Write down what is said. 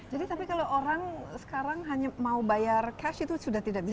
jadi tapi kalau orang sekarang hanya mau bayar cash itu sudah tidak bisa